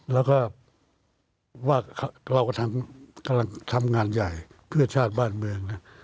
แล้วก็ว่าเรากำลังทำงานใหญ่เพื่อชาติบ้านเมืองนะ